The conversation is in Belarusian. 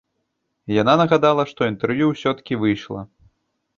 Яна нагадала, што інтэрв'ю ўсё-ткі выйшла.